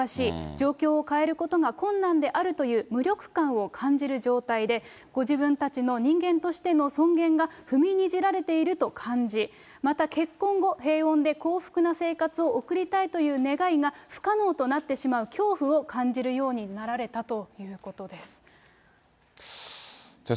状況を変えることが困難であるという無力感を感じる状態で、ご自分たちの人間としての尊厳が踏みにじられていると感じ、また結婚後、平穏で幸福な生活を送りたいという願いが不可能となってしまう恐怖を感じるようになられたということです。